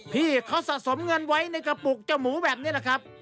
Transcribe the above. พี่เขาสะสมเงินไว้ในกระปุกเจ้าหมูแบบนี้แหละครับ